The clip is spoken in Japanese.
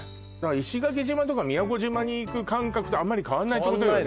石垣島とか宮古島に行く感覚とあんまり変わんないってことよね